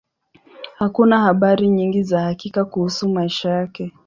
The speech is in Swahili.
Hakuna habari nyingi za hakika kuhusu maisha yake.